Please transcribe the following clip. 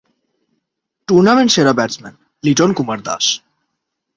Tournament সেরা batsman: Liton Kumar Das.